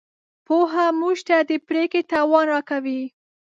پوهه موږ ته د پرېکړې توان راکوي.